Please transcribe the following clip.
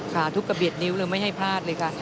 ทุกกระเบียดนิ้วเลยไม่ให้พลาดเลยค่ะ